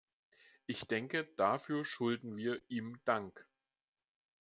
Ich denke, dafür schulden wir ihm Dank.